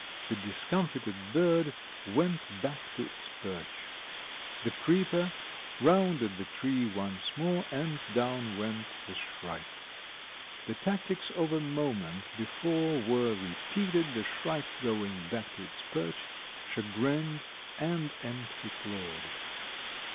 The discomfited bird went back to its perch. The creeper rounded the tree once more and down went the shrike. The tactics of a moment before were repeated, the shrike going back to its perch chagrined and empty clawed.